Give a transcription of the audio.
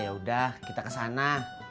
iya yaudah kita ke sana